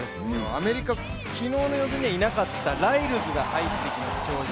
アメリカ、昨日の予選ではいなかったライルズが入ってきます。